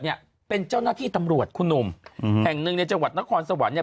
เนี่ยเป็นเจ้าหน้าที่ตำรวจคุณหนุ่มอืมแห่งหนึ่งในจังหวัดนครสวรรค์เนี่ย